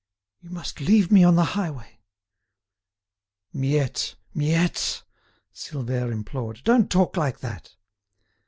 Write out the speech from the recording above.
You must leave me on the highway." "Miette, Miette!" Silvère implored; "don't talk like that."